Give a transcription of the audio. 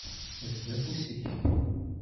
Rfed afus-ik.